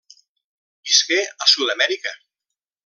Visqué a Sud-amèrica.